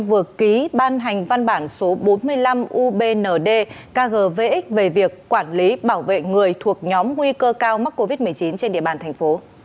vừa ký ban hành văn bản số bốn mươi năm ubnd kgvx về việc quản lý bảo vệ người thuộc nhóm nguy cơ cao mắc covid một mươi chín trên địa bàn thành phố